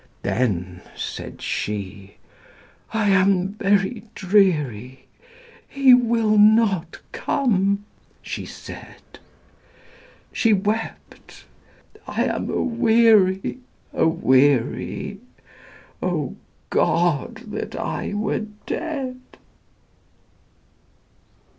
Then, said she, "I am very dreary, He will not come," she said; She wept, "I am aweary, aweary, O God, that I were dead!"